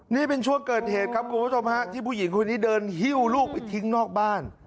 นี่เป็นช่วงเกิดเหตุครับคุณผู้ชมฮะที่ผู้หญิงคนนี้เดินหิ้วลูกไปทิ้งนอกบ้าน